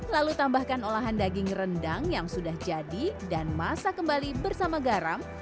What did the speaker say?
lalu tambahkan olahan daging rendang yang sudah jadi dan masak kembali bersama garam